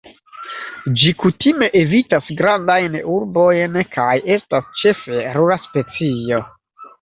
Ĝi kutime evitas grandajn urbojn kaj estas ĉefe rura specio.